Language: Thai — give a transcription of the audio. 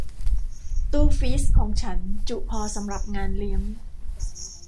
ตู้ฟรีซของฉันจุพอสำหรับงานเลี้ยง